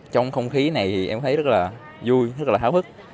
trong không khí này em thấy rất là vui rất là tháo hức